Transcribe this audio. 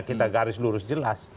kita garis lurus jelas